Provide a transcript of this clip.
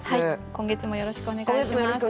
今月もよろしくお願いします。